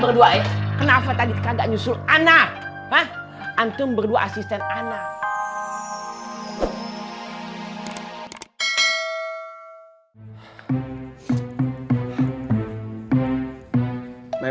berdua ya kenapa tadi kagak nyusul anak antum berdua asisten anak